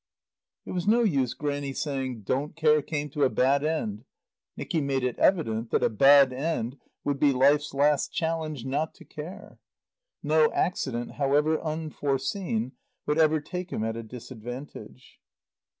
It was no use Grannie saying, "Don't care came to a bad end"; Nicky made it evident that a bad end would be life's last challenge not to care. No accident, however unforeseen, would ever take him at a disadvantage.